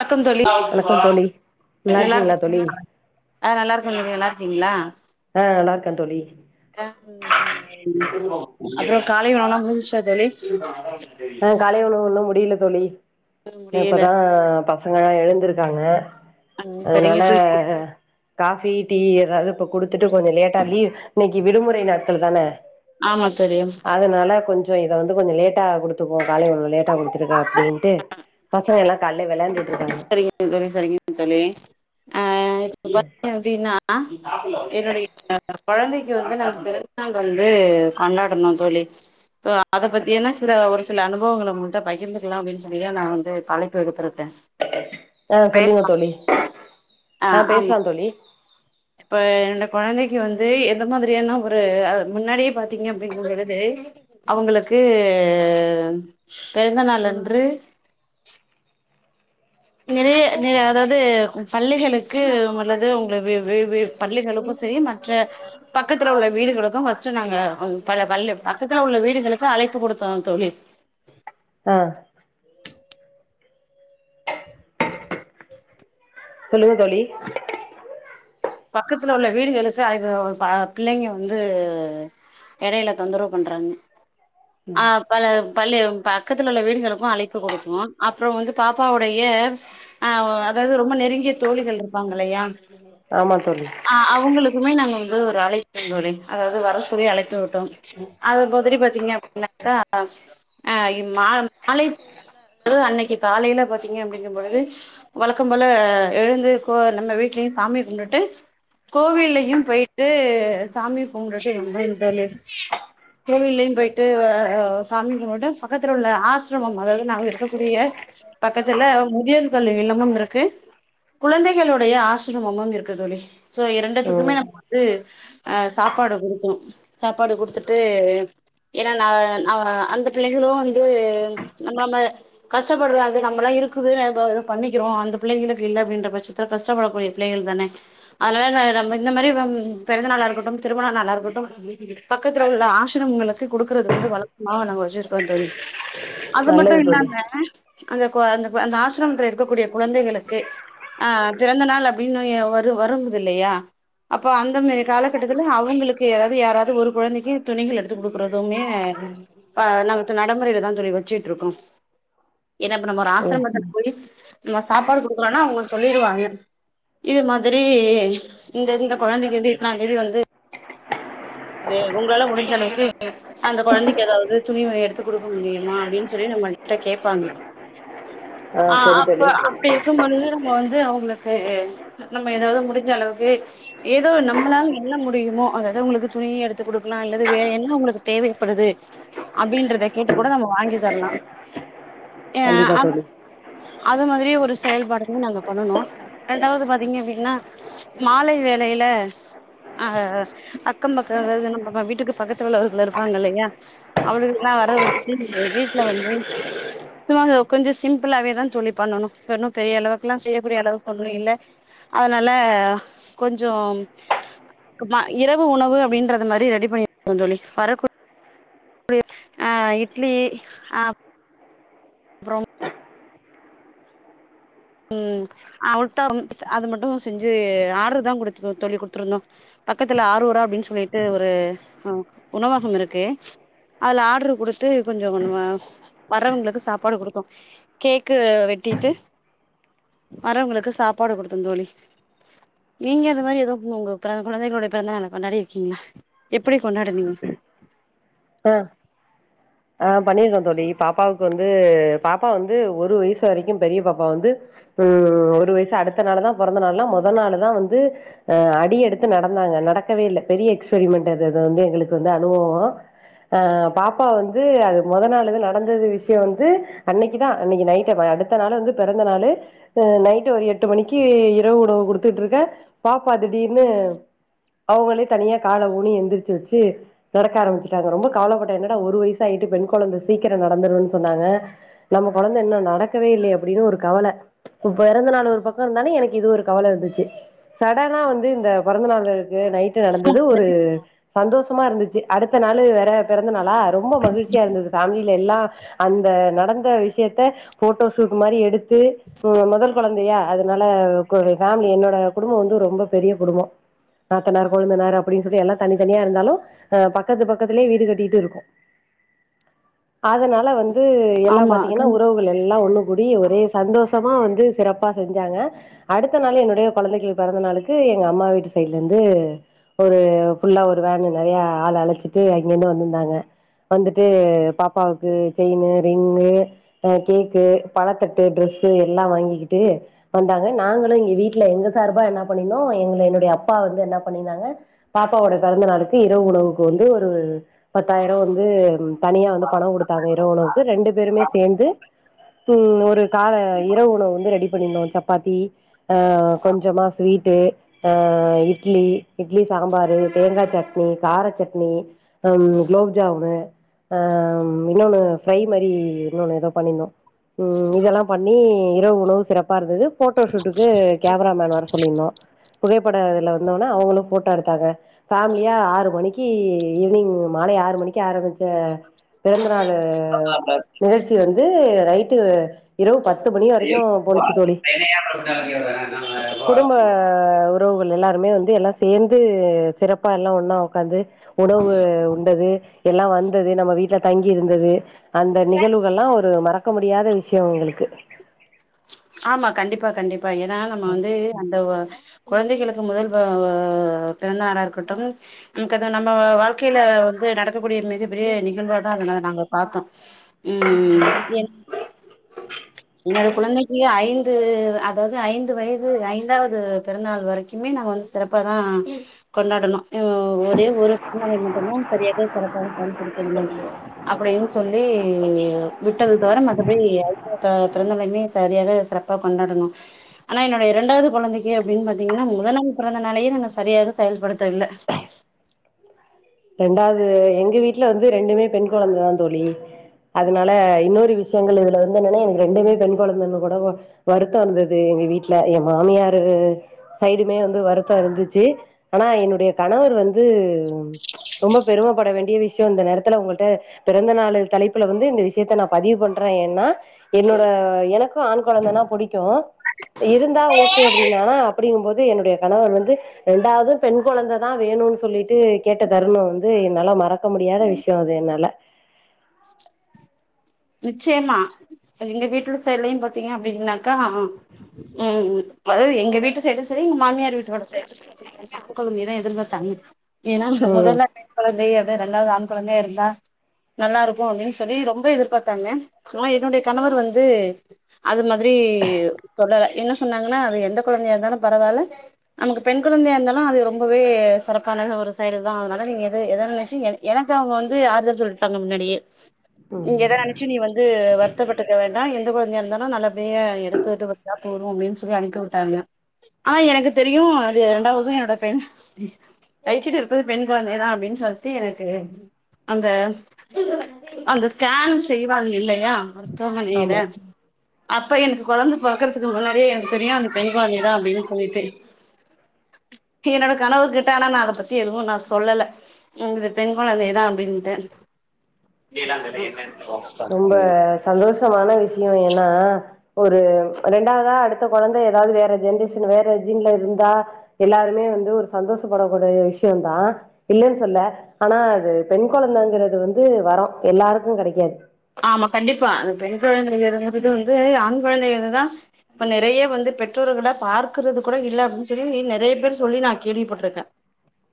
வணக்கம் தோழி, வணக்கம் தோழி நல்லா இருக்கீங்களா தோழி இருக்கீங்ளா ஆ, நல்லா இருக்கே தோழி, நல்லா இருக்கீங்ளா? க தோழி ஆ அப்றோ காலை உணவு முடிஞ்சா தோழி ஆஹ் காலைய உணவு இன்னு முடியில தோழி அ முடியல இப்பதா பசங்களா எழுந்திருக்காங்க ம் சரிங்க அதுனால தோழி காபி டீ எதாவது இப்ப குடுத்துட்டு கொஞ்சோ லேட்டா லீவ் இன்னைக்கு விடுமுறை நாட்கள் தான ஆமா தோழி அதனால கொஞ்சோ இத வந்து கொஞ்சோ லேட்டா குடுத் [unintelligible] காலை உணவு லேட்டா குடுத்துருக்க அப்டின்ட்டு பசங்க எல்லா கால்ல வெளான்டு சரிங்க சரிங்க தோழி ஆஹ் [unintelligible] எப்டீனா என்னுடைய அ கொழந்தைக்கு வந்து நா பிறந்தநாள் வந்து கொண்டாடணு தோழி அத பத்தின்னா சில ஒரு சில அனுபவங்கள உங்ககிட்ட பகிர்ந்துக்கலா அப்டின்னு சொல்லி தா நா வந்து தலைப்பு எடுத்துருக்கே ஆஹ் சொல்லுங்க தோழி ஆ ஆஹ் ஆமா பேசலாம் தோழி து எந்த மாதிரியான ஒரு அ முன்னாடியே பாத்தீங்க அப்படிங்கற பொழுது அவங்களுக்கு பிறந்தநாளன்று நிறைய நிறை அதாவது பள்ளிகளுக்கு அல்லது உங்க வி வி பள்ளிகளுக்கு சரி மற்ற பக்கத்துல உள்ள வீடுகளுக்கு ஃபஸ்ட் நாங்க ப பள்ளி பக்கத்துல உள்ள வீடுகளுக்கு அழைப்பு கொடுத்தோ தோழி ஆஹ் சொல்லுங்க தோழி பக்கத்துல உள்ள வீடுகளுக்கு அது ப பிள்ளைங்க வந்து எடையில தொந்தரவு பண்றாங்க ஆஹ் பல பள்ளி பக்கத்துல உள்ள வீடுகளுக்கு அழைப்பு கொடுத்தோ அப்புறம் வந்து பாப்பாவுடைய ஆஹ் அதாவது ரொம்ப நெருங்கிய தோழிகள் இருப்பாங்க இல்லையா ஆம் ஆஹ் அவங்களுக்குமே நாங்க ஒரு அழைத்தோ தோழி அதாவது வர சொல்லி அழைப்பு விட்டோ அது பத்திட்டு பாத்தீங்க அப்பனாக்க மாலை பொழுது அன்னைக்கு காலையில பாத்தீங்க அப்படிங்கும் பொழுது வழக்கம் போல எழுந்து கொ நம்ம வீட்லயு சாமி கும்பிட் டு கோவில்லயு போயிட்டு சாமிகும்பிட்டுட்டு வந்தோ தோழி கோவில்லயு போயிட்டு அ சாமிகும்பிட்டு பக்கத்து உள்ள ஆசிரமம் அதாவது நாங்க இருக்கக்கூடிய பக்கத்துல முதியோர் கல்வி இல்லமும் இருக்கு குழந்தைகளுடைய ஆசிரமமும் இருக் க்கு தோழி சோ ம் இரண்டுத்துக்குமே நம்ம வந்து அஹ் சாப்பாடு கொடுத்தோம் சாப்பாடு கொடுத்துட்டு ஏன்னா நா அ அந்த பிள்ளைகளும் வந்து நம்மள மா கஷ்டப்படுற நம்மெல்லா இருக்குது எதா பண்ணிக்கிறோ அந்த பிள்ளைகளுக்கு இல்ல அப்படின்ற பட்சத்துல கஷ்டப்படக்கூடிய பிள்ளைகள் தானே அதனால நம்ம இந்த மாதிரி பிறந்த நாளா இருக்கட்டும் திருமண நாளா இருக்கட்டும் பக்கத்துல உள்ள ஆசிரமங்களுக்கு கொடுக்குறது வந்து வழக்கமாக நாங்க வச்சுருக்கோ தோழி அது மட்டு நல்லது தோழி இல்லாம அந்த அந்த அந்த ஆசிரமத்தில இருக்கக்கூடிய குழந்தைகளுக்கு ஆ பிறந்த நாள் அப்டின்னு அது வருங்குது இல்லையா அப்ப அந்த மாரி காலகட்டத்துல அவங்களுக்கு யாரது யாராவது ஒரு குழந்தைக்கு துணிகள் எடுத்து கொடுக்கறதுமே அ நடைமுறையில தா தோழி வச்சட்டு இருக்கோ ஏனா இப்ப நம்ம ஒரு ம் ஆசிரமத்துக்கு போய் நம்ம சாப்பாடு கொடுக்கறனா அவங்க சொல்லுருவாங்க இது மா திரி இந்த இந்த குழந்தைக்கு வந்து இத்தனாந் தேதி வந்து அ பிறந்தநாள் வருது உங்களால முடிஞ்ச அளவுக்கு அந்த கொழந்தைக்கு ஏதாவது துணி எடுத்து கொடுக்க முடியுமா அப்டின்னு சொல்லி நம்மள்ட்ட கேட்பாங்க ஆ ஆஹ் சரி அப்ப தோழி அப்டி இருக்கும் பொழுது வந்து அவங்களுக்கு நம்ம ஏதாவது முடிஞ்ச அளவுக்கு ஏதோ நம்மளால என்ன முடியுமோ அதது அவங்களுக்கு துணி எடுத்து கொடுக்கலா இல்லது வேற என்ன அவங்களுக்கு தேவைப்படுது அப்படின்றத கேட்டு கூட நம்ம வாங்கி தரலா ஏ கண்டிப்பா அந்த தோழி அது மாதிரிய ஒரு செயல்பாடையு நாங்க பண்ணுனோ ரெண்டாவது பாத் பீங்க அப்டின்னா மாலை வேலையில அஹ் அக்கம் பக்கம் அதாவது நம்ம வீட்டுக்கு பக்கத்து உள்ளவகள் இருப்பாங்க இல்லையா அவர்களுக்கு எல்லா வர வச்சு வீட்டுல வந்து சுமா கொஞ்சம் சிம்பிளாவேதா சொல்லி பண்ணுனோ ஒன்னு பெரிய அளவுக்குல்லா செய்யக்கூடிய அளவுக்கு ஒன்னு இல்ல அதனால கொஞ்சம் இரவு உணவு அப்படின்றது மாரி ரெடி பண்ணி தோழி வரக்கூ ஆஹ் இட்லி ஆஹ் அப்புறம் உம்ஹ் அவ்ட்டம் அது மட்டு செஞ்சு ஆர்டரு தான் குடுத்துருந்தோ பக்கத்துல ஆரூரா அப்படின்னு சொல்லிட்டு ஒரு உணவகம் இருக்கு அதுல ஆர்டரு குடுத்து கொஞ்ச வர்றவங்களுக்கு சாப்பாடு குடுத்தோ கேக்கு வெட்டிட்டு வர்றவங்களுக்கு சாப்பாடு குடுத்தோம் தோழி நீங்க அந்த மாதிரி ஏதோ உங்க குழந்தைகளுடைய பிறந்த நாளை கொண்டாடி இருக்கீங்களா எப்படி கொண்டாடுனீங்க ஆஹ் ஆஹ் பண்ணிருக்கோம் தோழி பாப்பாவுக்கு வந்து பாப்பா வந்து ஒரு வயசு வரைக்கும் பெரிய பாப்பா வந்து உஹம் ஒரு வயசு அடுத்த நாள்தான் பிறந்த நாள்தான் முதல் நாள்தான் வந்து அஹ் அடி எடுத்து நடந்தாங்க நடக்கவே இல்லை பெரிய எக்ஸ்பெரிமெண்ட் அது வந்து எங்களுக்கு வந்து அனுபவம் ஆஹ் பாப்பா வந்து அது மொத நாளது நடந்தது விஷயம் வந்து அன்னைக்குதான் அன்னைக்கு நைட் அடுத்த நாள் வந்து பிறந்த நாள் அஹ் நைட்டு் ஒரு எட்டு மணிக்கு இரவு உணவு குடுத்துட்டு இருக்க பாப்பா திடீர்னு அவங்களே தனியா காலை ஊனி எந்திரிச்சு வச்சு நடக்க ஆரம்பிச்சு ரொம்ப கவலைப்பட்டேன் என்னடா ஒரு வயசாயிட்டு பெண் குழந்தை சீக்கிரம் நடந்துரும்ன்னு சொன்னாங்க நம்ம குழந்தை என்ன நடக்கவே இல்லை அப்படின்னு ஒரு கவலை பிறந்தநாள் ஒரு பக்கம் இருந்தாலு இது கவலை இருந்துச்சு சடனா வந்து இந்த பிறந்தநாள் இருக்கு நைட் நடந்தது ஒரு சந்தோஷமா இருந்துச்சு அடுத் த்த நாளு வேற பிறந்த நாளா ரொம்ப மகிழ்ச்சியா இருந்தது ஃபேமிலில எல்லா அந்த நடந்த விஷயத்த போட்டோஷூட் மாதிரி எடுத்து முதல் குழந்தையா அதனால என்னோட குடும்பம் வந்து ரொம்ப பெரிய குடும்பம் நாத்தனார் கொழுந்தனார் அப்படின்னு சொல்லி எல்லாம் தனித்தனியா இருந்தாலும் பக் பக்கத்து பக்கத்துலயே வீடு கட்டிட்டு இருக்கு அதனால வந்து எல்லா ஆமா பாத்தீங்கன்னா உறவுகள் எல்லா ஒண்ணு முடிய ஒரே சந்தோஷமா வந்து சிறப்பா செஞ்சாங்க அடுத்த நாள் என்னுடைய குழந்தைகள் பிறந்த நாளைக்கு எங்க அம்மா வீட்டு சைட்ல இருந்து ஒரு புல்லா ஒரு வேன் நிறைய ஆள் அழைச்ச க்கே அங்கிந்து வந்துருந்தாங்க வந்துட்டு பாப்பாவுக்கு செயின்னு ரிங்கு ஆன் கேக்கு பழதட்டு டிரஸ்சு எல்லா வாங்கிக்கிட்டு வந்தாங்க நாங்களு இங்க வீட்டுல எங்க சார்பா என்ன பண்ணினோம் எங்களு என்னுடைய அப்பா வந்து என்ன பண்ணிருந்தாங்க பாப்பாவோட பிறந்த நாளுக்கு இரவு உணவுக்கு வந் து ஒரு பத்தாயிரம் வந்து தனியா வந்து பணம் குடுத்தாங்க இரவு உணவுக்கு ரெண்டு பேருமே சேந்து உம் ஒரு கால இரவு உணவு வந்து ரெடி பண்ணிந்தோம் சப்பாத்தி ஆன் கொஞ்சமா ஸ்வீட்டு ஆன் இட்லி இட்லி சாம்பாரு தேங்காய் சட்னி கார சட் னி குலோப்ஜாமு ஹன் இன்னொன்னு ஃப்ரை மாரி இன்னொன்னு ஏதோ பண்ணிர்ந்தோம் உம் இதெல்லாம் பண்ணி இரவு உணவு சிறப்பா இருந்தது போட்டோஷூட்டுக்கு கேமராமேன்ன வர சொல்லியிருந்தோம் புகைப்பட இதல வந்தோன அவங்களும் போட்டோ எடுத்தாங்க பேமிலியா ஆறு மணிக் கி ஈவினிங் மாலை ஆறு மணிக்கு ஆரம்பிச்ச பிறந்தநாள் உ கண்டிப்பா நிகழ்ச்சி வந்து ரைட் டு இரவு பத் து மணி வரைக்கும் போனுச்சு தோழி குடும்ப உறவுகள் எல்லா மே வந்து எல்லா சேந்து சிறப்பா எல்லா ஒண்ணா உக்காந்து உணவு உண்டது எல்லாம் வந்தது நம்ம வீட்டுல தங்கி இருந்தது அந்த நிகழ்வுகள்ல்லாம் ஒரு மறக்க முடியாத விஷயம் எங்களுக்கு ஆமா கண்டிப்பா கண்டிப்பா அ ஏன்னா நம்ம வந்து அந்த வ கொழந்தைகளுக்கு முதல் உ பிறந்தநாடா இருக்கட்டும் நம்ம வாழ்க்கையில வந்து நடக்கக்கூடிய மிக பெரிய நிகழ்வா தான் அத நாங்க பாத்தோம் உம் உம் என் என்னோட குழந்தைக்கு ஐந்து அதாவது ஐந்து வயது ஐந்தாவது பிறந்தாள் வரைக்குமே நாங்க வந்து சிறப்பாதான் கொண்டாடணும் ம் ஒரே ஒரு பிறந்தநாளை மட்டும்தான் சரியாக சிறப்பாக செயல்படுத்தவில்லை அப்படின்னு சொல்லி விட்டது தவர மத்தபடி ப பிறந்தையுமே சரியாக சிறப்பா கொண்டானோம் ஆனா என்னோடைய இரண்டாவது கொழந்தைக்கு அப்படின்னு பாத்தீங்கன்னா முதலாம் பிறந்த நாளயே நாங்க சரியாக செயல்படுத்தவில்லை ரெண்டாவது எங்க வீட்டு்ல வந்து ரெண்டுமே பெண் கொழந்தைதான் தோழி அதனால இன்னொரு விஷயங்கள் இதுல வந்தனனா என் ரெண்டுமே பெண் கொழந்தைன்ன கூட வருத்த இருந்தது எங்க வீட்டுல என் மாமியாரு சைடுமே வந்து வருத்த இருந்துச்சு ஆனா என்னுடைய கணவர் வந்து ரொம்ப பெருமப்பட வேண்டிய விஷ்யோ இந்த நேரத்துல உங்கள்ட்ட பிறந்த நாளு தலைப்புல வந்து இந்த விஷ்யத்த நா பதிவு பண்றே ஏன்னா என்னோட எனக்கு ஆண் கொழந்தனா புடிக்கு இருந்தா ஓக்கே அப்டின்னா அப்படிங்கும்போ து என்னுடைய கணவர் வந்து இரண்டாவது பெண் கொழந்தை தா வேணுன் சொல்லீட்டு கேட்ட தருணோ வந்து என்னால மற க்க முடியாத விஷ்யோ அது என்னால நிச்சியமா எங்க வீட்டுல சைட்லயும் பாத்தீங்க அப்டின்னாக்கா ம் மொதலு எங்க வீட்டு சைடு செரி எங்க மாமியார் வீட்டோட [inaudible] கொழந்தியதா எதிர்பாத்தாங் ஏனா ம் முதல்ல பெண்கொழந்தை அது ரெண்டாவது ஆண் கொழந்தையாருந்தா நல்லாருக்கூ அப்டின் சொல்லி ரொம்ப எதிர்பாத் தாங்க நா என்னுடைய கணவர் வந்து அது மாதிரி சொல்லல என்ன சொன்னாங்கன்னா அது எந்த கொழந்தையா இருந்தாலு பரவால்ல நமக்கு பெண் குழந்தையா இருந்தாலு அது ரொம்பவே சிறப்பான ஒரு செயல் தா அதனால நீங்க எத எத நெனச்சு எனக்கு அவுங்க வந்து ஆறுதல் சொல்ட்டாங்க முன்னாடியே ங்க எத நென து வருத்தப்பட்டுக்க வேண்டா எந்த கொழந்தயா இருந்தாலு நல்லபடியா எடுத்துட்டு வந்தா போது அப்டின் சொல்லி அனுப்பி விட்டாங்க ஆனா எனக்குத் தெரியு அது ரெண்டாவது என்னோட பெண் [unintelligible] இருக்கது பெண் கொழந்தை தா அப்டீன் சொல்ட்டு எனக்கு அந்த அந்த ஸ்கேன் செய்வாங் இல்லையா சோம நீத ஆமா அப்ப எனக்கு கொழந்த பொறக்கறதுக்கு முன்னாடியே எனக்கு தெரியு அது பெண் குழந்தை தா அப்டின் சொல்லிட்டு என்னோட கணவர் கிட்ட ஆனா நா அதப் பத்தி எதுவு நா சொல்லல ம் இது பெண் குழந்தை தா அப்டின்ட்டு ரொம்ப சந்தோஷமான விஷ்யோ ஏனா ஒரு ரெண்டாவதா அடுத்த கொழந்த எதாவது வேற ஜென்ரேஷன் வேற ஜீன்ல இருந்தா எல்லாருமே வந்து ஒரு சந்தோஷப்படக்கூடிய விஷ்யந்தா இல்லேன் சொல்ல ஆனா அது பெண் கொழந்தங்கறது வந்து வரோ எல்லாருக்குங் கெடைக்காத் ஆமா கண்டிப்பா அ பெண் கொழந்தைங்கிறது வந்துட்டு வந்து ஆண் கொழந்தைங்கள்தா இப்ப நெறைய வந்து பெற்றோர்களப் பார்க்கறது கூட இல்ல அப்டின் சொல்லி நெறைய பேர் சொல்லி நா கேள்விபட்ருக்கே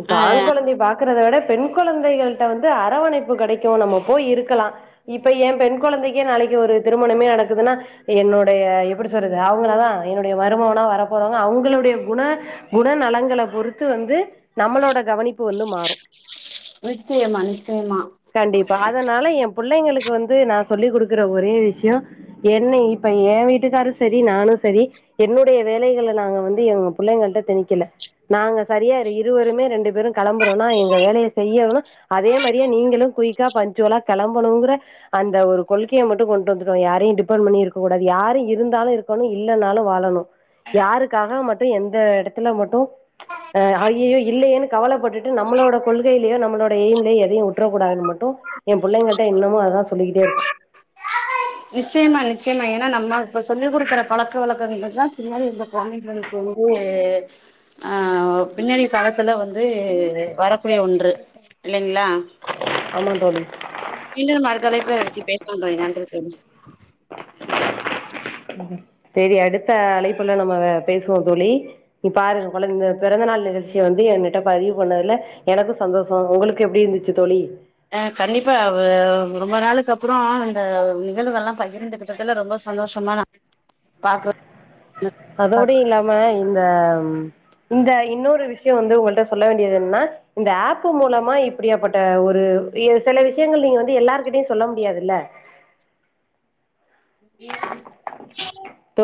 இப்ப ஆண் கொழந்தையப் பாக்கறத விட பெண் கொழந்தைகள் ட்ட வந்து அரவணைப்பு கெடைக்கு நம்ம போய் இருக்கலா இப்ப ஏ பெண் கொழந்தைக் க்கே நாளைக்கு ஒரு திருமணமே நடக்குதுன்னா என்னோடைய எப்பிடி சொல்றது அவுங்கள தா என்னுடைய மருமவனா வரப்போறவங்க அவுங்களுடைய குண குணநலங்கள பொறுத்து வந்து நம்மளோட கவனிப்பு வந்து மாறு நிச்சயமா நிச்சயமா கண்டிப்பா அதனால எம் புள்ளைங்களுக்கு வந்து நா சொல்லிக் குடுக்கற ஒரே விஷ்யோ என்னை இப்ப ஏ வீட்டுக்காரு செரி நானு செரி என்னுடைய வேலைகள நாங்க வந்து எங்க புள்ளைங்கள்ட்ட திணிக்கல நாங்க சரியா ரு இரு இருவருமே ரெண்டு பேரு கெளம்புறோனா எங்க வேலய செய்யறணு அதே மாரியே நீங்களு குயிக்கா பங்க்சுவலா கெளம்பணுங்கிற அந்த ஒரு கொள்கைய மட்டு கொண்டு வந்துட்டோ யாரையு டிபெண்ட் பண்ணி இருக்க கூடாது யாரு இருந்தாலு இருக்கணு இல்லனாலு வாழணு யாருக்காக மட்டு எந்த எத்தல மட்டு அ ஐய்யயோ இல்லையேனு கவலப்பட்டுட்டு நம்மளோட கொள்கையிலயோ நம்மளோட எய்ம்லய எதையு விட்றக்கூடாதுன் ம ட்டு எம் புள்ளைங்கள்ட்ட இன்னமு அததா சொல்லிக்கிட்டே இருக்கோ நிச்சயமா நிச்சயமா ஏனா நம்ம இப்ப சொல்லி குடுக்கற பழக்க வழக்கங்கள் தா பின்னாடி இந்த கொழந்தங்களுக்கு வந்து ஆ பின்னாடி காலத்துல வந்து வரக்கூடிய ஒன்று இல்ல ல்லா ஆமா தோழி மீண்டு நம்ம அழைப்பில வெச்சி பேசலாந் தோழி நன்றி தோழி சேரி அடுத்த அழைப்புல நம்ம வ பேசுவோ தோழி பாருங்க கொழந் பிறந்த நாள் நிகழ்ச்சிய வந்து எங்கிட்ட பதிவு பண்ணதுல எனக்கு சந்தோஷோ உங்களுக்கு எப்டி இருந்துச்சு தோழி அ கண்டிப்பா அவ்வு ரொம்ப நாளுக்கு அப் புறோ இந்த நிகழ்வுகள்லா பகிர்ந்துகிட்டதுல ரொம்ப சந்தோஷமா நா பாக்ற அதோடயு இல்லாம இந்த இந்த இன்னொரு விஷ்யோ வந்து உன்கிட்ட சொல்ல வேண்டியது என்னன்னா இந்த ஆப்பு மூலமா இப்படியாப்பட்ட ஒரு எஹ் செல விஷயங்கள் நீங்க வந்து எல்லாருகிட்டயு சொல்ல முடியாதுல்ல